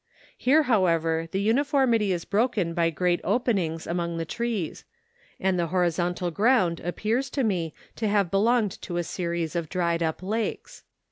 Here, however, the uniformity is broken by great openings among the trees; and the horizontal ground appears to me to have belonged to a series of dried up lakes.